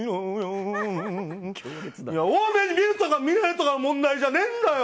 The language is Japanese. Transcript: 大目に見るとか見ないとかの問題じゃねえんだよ！